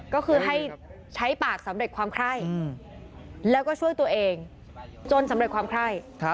ก็คือให้ใช้ปากสำเร็จความไข้แล้วก็ช่วยตัวเองจนสำเร็จความไคร่